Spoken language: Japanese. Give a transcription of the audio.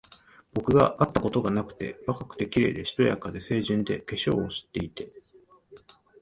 僕があったことがなくて、若くて、綺麗で、しとやかで、清純で、化粧を知っていて、